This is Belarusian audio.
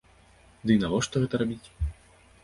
Ды, і навошта гэта рабіць?